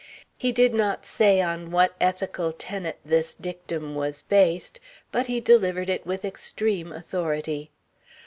He did not say on what ethical tenet this dictum was based, but he delivered it with extreme authority.